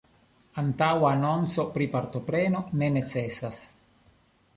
Antaŭa anonco pri partopreno ne necesas.